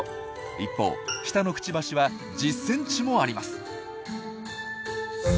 一方下のクチバシは１０ｃｍもあります！